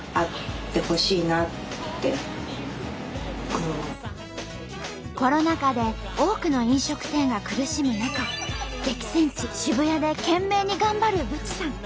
少しでもコロナ禍で多くの飲食店が苦しむ中激戦地・渋谷で懸命に頑張るブチさん。